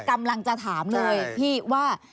กำลังจะถามเลยพี่ว่า